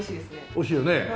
おいしいよね。